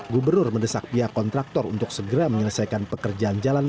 gubernur mendesak pihak kontraktor untuk segera menyelesaikan pekerjaan jalan